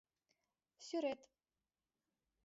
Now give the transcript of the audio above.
Сӱрет